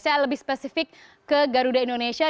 saya lebih spesifik ke garuda indonesia